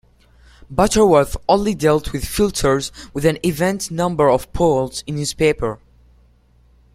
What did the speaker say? Butterworth only dealt with filters with an even number of poles in his paper.